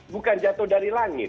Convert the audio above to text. bukan jatuh dari lancar